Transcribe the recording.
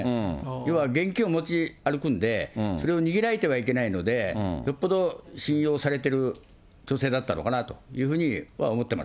要は現金を持ち歩くんで、それを逃げられてはいけないので、よっぽど信用されている女性だったのかなというふうに思ってます